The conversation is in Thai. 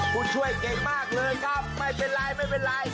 กูช่วยเก่งมากเลยครับไม่เป็นไร